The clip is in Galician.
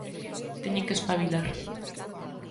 Teñen que espabilar.